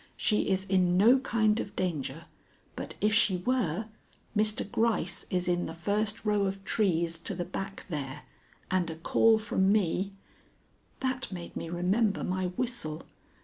She is in no kind of danger, but if she were, Mr. Gryce is in the first row of trees to the back there, and a call from me " That made me remember my whistle.